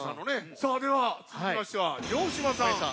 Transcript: さあでは続きましては城島さん